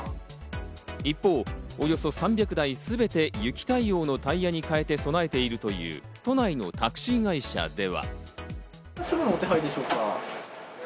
一方、およそ３００台すべて雪対応のタイヤにかえて備えているという、都内のタクシー会社では。